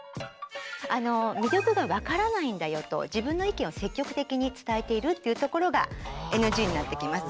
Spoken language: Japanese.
あの「魅力がわからないんだよ」と自分の意見を積極的に伝えているっていうところがＮＧになってきます。